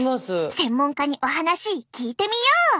専門家にお話聞いてみよう！